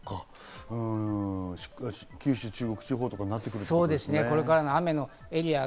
九州、中国地方とかになってくるわけですね。